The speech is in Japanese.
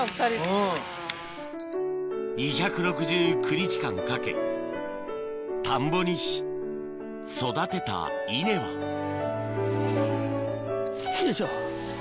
うん！２６９日間かけ田んぼにし育てた稲はよいしょ。